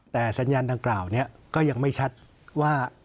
แต่สัญญาณดังกล่าวนี้ก็ยังไม่ชัดว่า